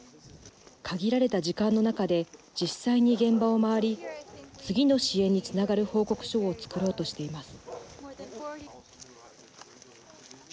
限られた時間の中で実際に現場を回り次の支援につながる報告書を作ろうとしています。